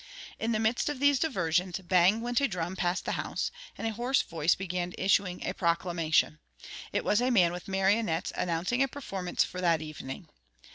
In the midst of these diversions, bang went a drum past the house, and a hoarse voice began issuing a proclamation. It was a man with marionnettes announcing a performance for that evening.